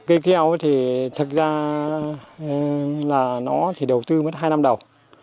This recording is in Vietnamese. cây keo thì thực ra là nó thì đầu tư mất hai năm đầu